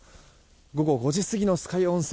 午後５時過ぎの酸ヶ湯温泉。